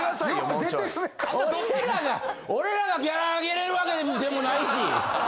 俺らがギャラ上げれるわけでもないし。